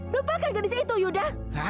lupakan gadis itu yuda